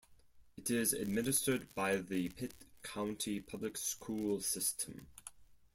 It is administered by the Pitt County Public School system.